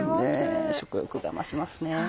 食欲が増しますね。